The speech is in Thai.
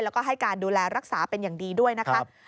แล้วก็ให้การดูแลรักษาเป็นอย่างดีด้วยนะคะ